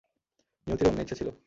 নিয়তির অন্য ইচ্ছে ছিল।